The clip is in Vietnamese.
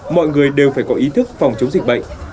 mọi người đều phải có ý thức phòng chống dịch bệnh